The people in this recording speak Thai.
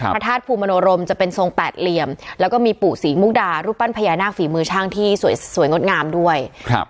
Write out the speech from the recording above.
พระธาตุภูมิมโนรมจะเป็นทรงแปดเหลี่ยมแล้วก็มีปู่ศรีมุกดารูปปั้นพญานาคฝีมือช่างที่สวยสวยงดงามด้วยครับ